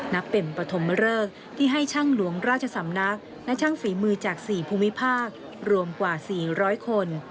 นับเป็นปฐมเริกที่ให้ช่างหลวงราชสำนักและช่างฝีมือจาก๔ภูมิภาครวมกว่า๔๐๐คน